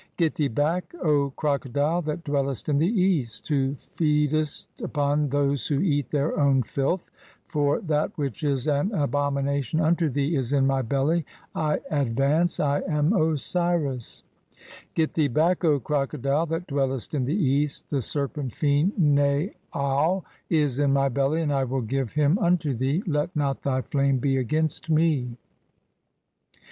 "Get thee back, O (4) Crocodile that dwellest in the East, 'who feedest upon those who eat their own filth, for that which 'is an abomination unto thee is in my belly ; I advance, I am Osiris_^, "Get thee back, O Crocodile that dwellest in the East, the 'serpent fiend Naau is in (5) my belly, and I will give [him] 'unto thee ; let not thy flame be against me."